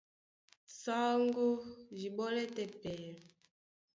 Saŋgó dí ɓɔ́lɛ́ tɛ́ pɛyɛ,